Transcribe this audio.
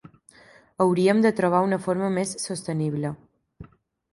Hauríem de trobar una forma més sostenible.